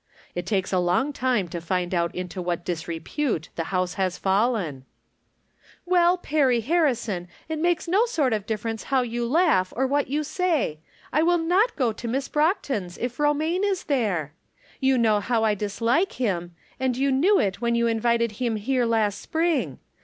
It takes people a long time to find out into what disrepute the house has fallen !"" Well, Perry Harrison, it makes no sort _ of difference how you laugh or what you say ; I will not go to Miss Brockton's if Romaine is there. You know how I dislike him ; and you knew it when you invited liim here last spring.